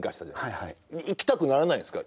行きたくならないんですか？